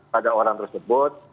pada orang tersebut